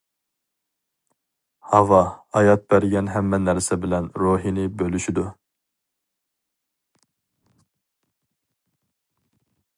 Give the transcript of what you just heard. ھاۋا ھايات بەرگەن ھەممە نەرسە بىلەن روھىنى بۆلىشىدۇ.